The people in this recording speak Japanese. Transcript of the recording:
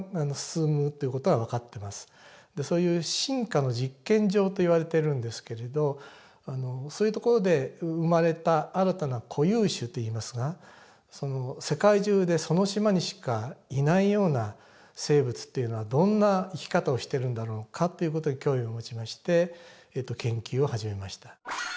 そういう進化の実験場といわれているんですけれどそういう所で生まれた新たな固有種といいますが世界中でその島にしかいないような生物っていうのはどんな生き方をしてるんだろうかという事で興味を持ちまして研究を始めました。